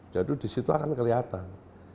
jadi disitu akan kelihatan